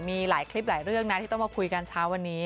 มีหลายคลิปหลายเรื่องนะที่ต้องมาคุยกันเช้าวันนี้